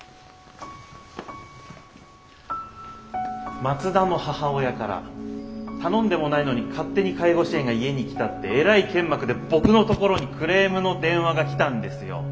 松田の母親から頼んでもないのに勝手に介護支援が家に来たってえらい剣幕で僕のところにクレームの電話が来たんですよ。